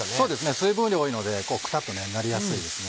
水分量多いのでくたっとなりやすいですね。